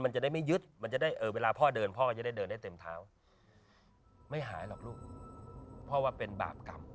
กายภาพด้วยตัวเอง